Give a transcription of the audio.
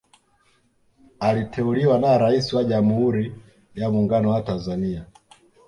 Aliteuliwa na Rais wa Jamhuri ya muungano wa Tanzania